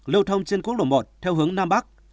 lưu thông trên quốc lộ một theo hướng nam bắc